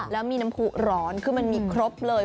แล้วมีน้ำผู้ร้อนคือมันมีครบเลย